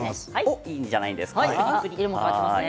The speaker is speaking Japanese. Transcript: いいんじゃないですか。